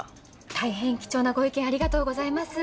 大変貴重なご意見ありがとうございます。